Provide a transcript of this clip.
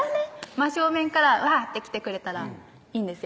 真正面からワーッて来てくれたらいいんですよ